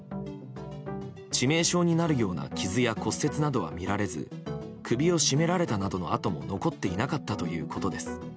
致命傷になるような傷や骨折などは見られず首を絞められたなどの痕も残っていなかったということです。